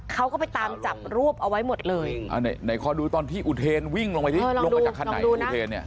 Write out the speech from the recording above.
เค้าก็ไปตามจับรูปเอาไว้หมดเลยไหนขอดูตอนที่อุเทนวิ่งลงไปที่ลงมาจากคันไหน